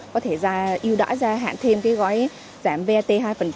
có thể ưu đại ra hạn thêm gói giảm vat hai